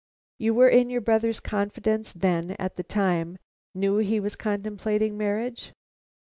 "You were in your brother's confidence, then, at that time; knew he was contemplating marriage?"